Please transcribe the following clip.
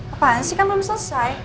apaan sih kan belum selesai